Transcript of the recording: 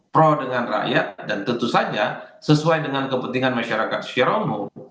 pro dengan rakyat dan tentu saja sesuai dengan kepentingan masyarakat secara umum